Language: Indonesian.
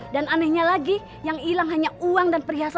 dan anehnya lagi yang hilang hanya uang dan priasan saja